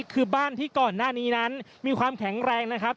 คือบ้านที่ก่อนหน้านี้นั้นมีความแข็งแรงนะครับ